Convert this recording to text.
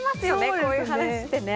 こういう話ってね。